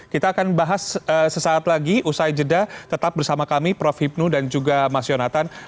kita akan bahas sesaat lagi usai jeda tetap bersama kami prof hipnu dan juga mas yonatan